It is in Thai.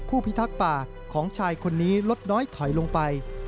พิทักษ์ป่าของชายคนนี้ลดน้อยถอยลงไป